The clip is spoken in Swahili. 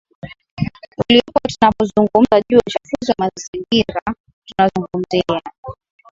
uliopo Tunapozungumza juu ya uchafuzi wa mazingira tunazungumzia